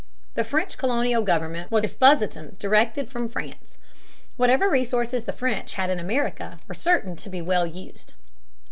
The French colonial government was a despotism directed from France. Whatever resources the French had in America were certain to be well used.